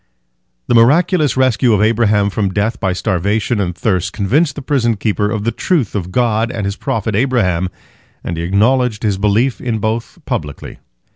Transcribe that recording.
The miraculous rescue of Abraham from death by starvation and thirst convinced the prison keeper of the truth of God and His prophet Abraham, and he acknowledged his belief in both publicly.